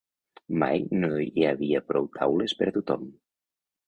Mai no hi havia prou taules per a tothom